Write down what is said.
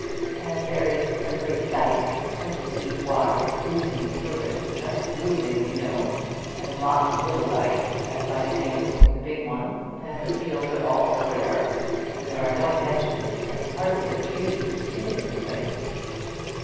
And there is a great dike, twenty feet wide, oozing through it, just oozing, you know; and lots of little dikes, at right angles with the big one. And the fields are all square. And there are no hedges, and hardly a tree to be seen in the place."